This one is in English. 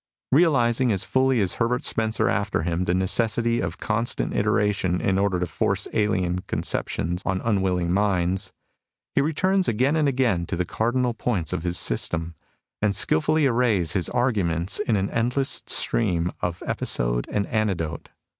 Realising as fully as Herbert Spencer after him, the necessity of constant iteration in order to force alien con ceptions on unwilling minds, he returns again and again to the cardinal points of his system, and skilfully arrays his arguments in an endless stream of episode and anecdote.